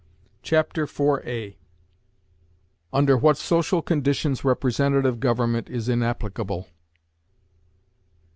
Chapter IV Under what Social Conditions Representative Government is Inapplicable.